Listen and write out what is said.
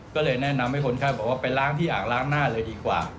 ก็เลยแนะนำให้คนไข้บอกว่าไปล้างที่อ่างล้างหน้าเลยดีกว่า